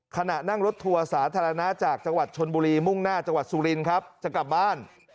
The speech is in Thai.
ขณะนั่งรถทัวร์สาธารณะจากจังหวัดชนบุรีมุ่งหน้าจังหวัดสุรินครับจะกลับบ้าน